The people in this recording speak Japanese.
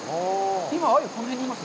今、アユ、この辺にいます。